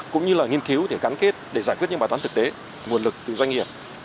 cũng như là nghiên cứu để gắn kết để giải quyết những bài toán thực tế nguồn lực từ doanh nghiệp